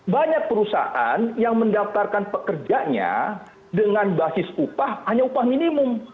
banyak perusahaan yang mendaftarkan pekerjanya dengan basis upah hanya upah minimum